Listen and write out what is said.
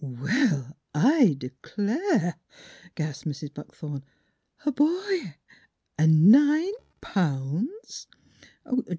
" Well, I d'clare !" gasped Mrs. Buckthorn. "A boy! an' nine pounds!"